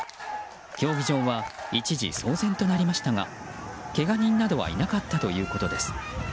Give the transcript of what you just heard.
競技場は一時騒然となりましたがけが人などはいなかったということです。